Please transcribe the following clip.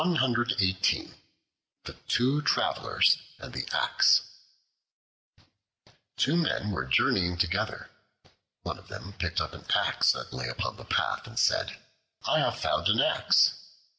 The Two Travelers and the Axe TWO MEN were journeying together. One of them picked up an axe that lay upon the path, and said, "I have found an axe."